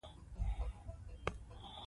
چي موږ دلته له دغه دووم ډول علم څخه بحث کوو.